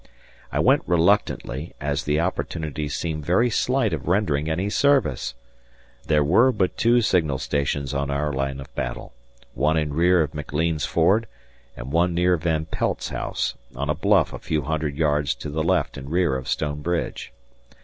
I went reluctantly as the opportunity seemed very slight of rendering any service. There were but two signal stations on our line of battle one in rear of McLean's Ford and one near Van Pelt's house on a bluff a few hundred yards to the left and rear of Stone Bridge.